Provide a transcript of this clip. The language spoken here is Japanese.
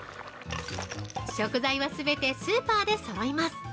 食材は全てスーパーでそろいます。